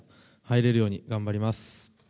また、入れるように頑張ります。